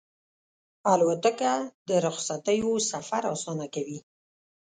الوتکه د رخصتیو سفر اسانه کوي.